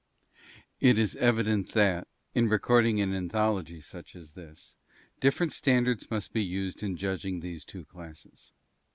It is evident that, in compiling an anthology such as this, different standards must be used in judging these two classes.